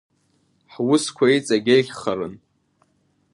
Ҳусқәа иҵегь еиӷьхарын!